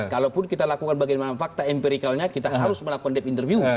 kalaupun kita lakukan bagaimana fakta empiricalnya kita harus melakukan deb interview